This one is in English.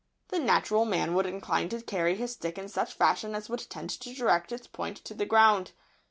The natural man would incline to carry his stick in such fashion as would tend to direct its point to the ground.